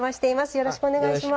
よろしくお願いします。